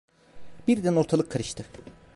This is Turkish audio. Birden ortalık karıştı…